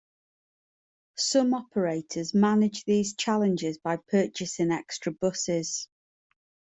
Some operators manage these challenges by purchasing extra buses.